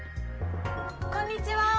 こんにちは。